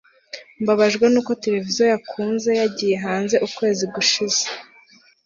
mbabajwe nuko televiziyo nakunze yagiye hanze ukwezi gushize